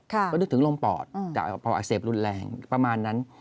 ก็นึกถึงลมปอดจากพออักเสบรุนแรงประมาณนั้น